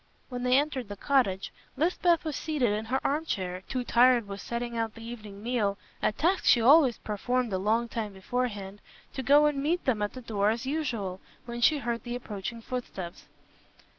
When they entered the cottage, Lisbeth was seated in her arm chair, too tired with setting out the evening meal, a task she always performed a long time beforehand, to go and meet them at the door as usual, when she heard the approaching footsteps.